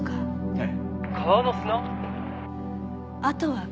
ええ。